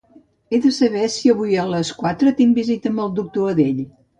He de saber si avui les quatre tinc visita amb doctor Adell.